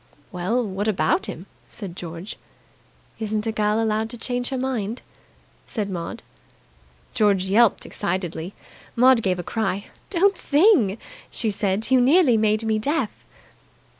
"Well, what about him?" said George. "Isn't a girl allowed to change her mind?" said Maud. George yelped excitedly. Maud gave a cry. "Don't sing!" she said. "You nearly made me deaf."